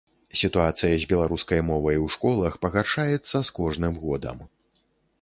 Сітуацыя з беларускай мовай у школах пагаршаецца з кожным годам.